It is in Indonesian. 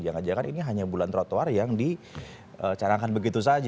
jangan jangan ini hanya bulan trotoar yang dicarangkan begitu saja